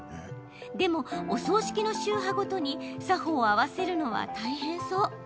でも、お葬式の宗派ごとに作法を合わせるのは大変そう。